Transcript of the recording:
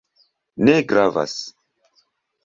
Ne gravas!